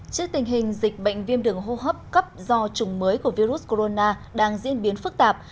trước tình hình dịch bệnh viêm đường hô hấp cấp do chủng mới của virus corona đang diễn biến phức tạp